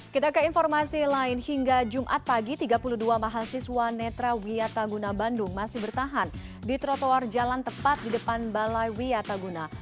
kita ke informasi lain hingga jumat pagi tiga puluh dua mahasiswa netra wiataguna bandung masih bertahan di trotoar jalan tepat di depan balai wiataguna